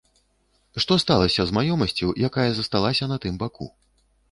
Што сталася з маёмасцю, якая засталася на тым баку?